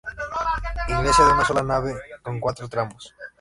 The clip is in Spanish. Iglesia de una sola nave con cuatro tramos.